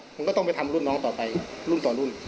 ผมก็ต้องไปทำรุ่นน้องต่อไปรุ่นต่อรุ่น